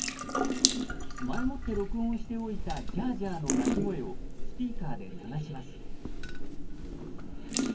前もって録音しておいた「ジャージャー」の鳴き声をスピーカーで流します。